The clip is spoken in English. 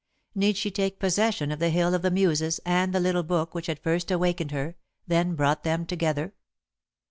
Need she take possession of the Hill of the Muses and the little book which had first awakened her, then brought them together?